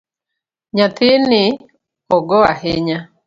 Nyathini ogo ahinya.